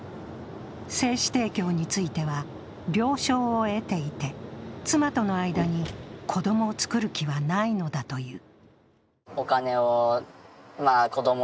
精子提供については、了承を得ていて、妻との間に子供をつくる気はないのだという。